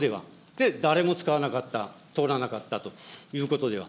で、誰も使わなかった、通らなかったということでは。